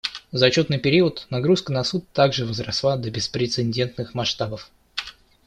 За отчетный период нагрузка на Суд также возросла до беспрецедентных масштабов.